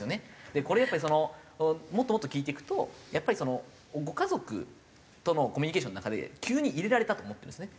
でこれやっぱりもっともっと聞いていくとやっぱりご家族とのコミュニケーションの中で急に入れられたと思ってるんですね